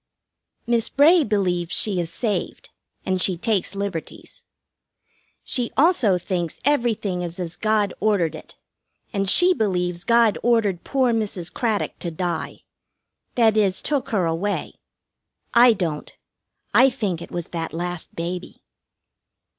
Miss Bray believes she is saved, and she takes liberties. She also thinks everything is as God ordered it, and she believes God ordered poor Mrs. Craddock to die that is, took her away. I don't. I think it was that last baby.